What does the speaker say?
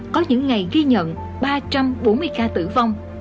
có những ngày ghi nhận ba trăm bốn mươi ca tử vong